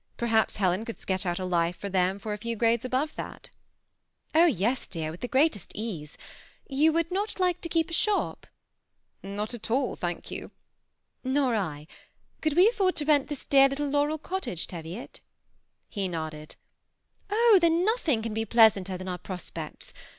Perhaps Helen could sketch out a life for them a few grades above that " Oh yes, dear, with the greatest ease. Tou would not like to keep a shop?" THE SEMI ATTACHED COUPLE. 335 « Not at all, thank you." "Nor I. Could we afford to rent this dear little Laurel Cottage, Teviot?" He nodded. "Oh! then nothing can he pleasanter than our prospects.